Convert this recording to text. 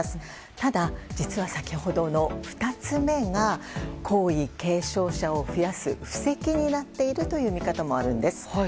ただ、実は先ほどの２つ目が皇位継承者を増やす布石になっているという見方もあるんです。